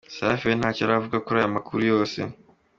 Safi we ntacyo aravuga kuri aya makuru yose.